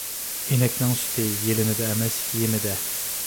ئىنەكنىڭ سۈتى يېلىنىدە ئەمەس، يېمىدە.